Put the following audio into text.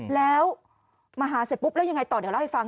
แล้วมาหาเสร็จปุ๊บแล้วยังไงต่อเดี๋ยวเล่าให้ฟัง